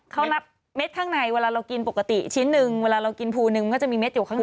เขานับเม็ดข้างในเวลาเรากินปกติชิ้นหนึ่งเวลาเรากินภูนึงมันก็จะมีเม็ดอยู่ข้างใน